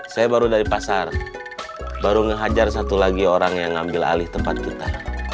saya baru dari pasar baru ngehajar satu lagi orang yang ngambil alih tempat kita